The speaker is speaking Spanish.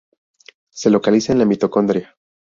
Se localiza en la mitocondria.